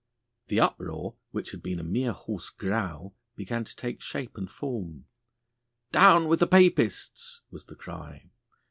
The uproar, which had been a mere hoarse growl, began to take shape and form. 'Down with the Papists!' was the cry.